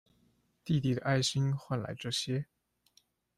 弟弟的愛心換來這些